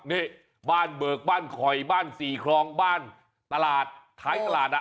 นี่บ้านเบือกบ้านคอยบ้านสี่ครองบ้านติราส